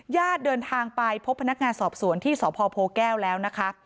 ญาติเดินทางไปพบพนักงานสอบสวนที่สพโพแก้วแล้วนะคะ